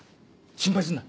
心配すんな。